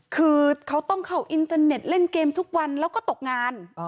คือเขาต้องเข้าอินเตอร์เน็ตเล่นเกมทุกวันแล้วก็ตกงาน